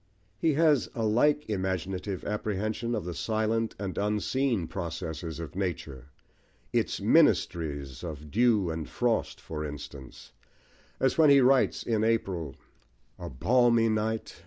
He has a like imaginative apprehension of the silent and unseen processes of nature, its "ministries" of dew and frost, for instance; as when he writes, in April A balmy night!